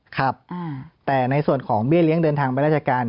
ครับแต่ในส่วนของเบี้ยเลี้ยงเดินทางไปราชการ